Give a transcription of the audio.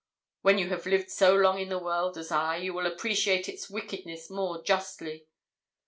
When you have lived as long in the world as I, you will appreciate its wickedness more justly.'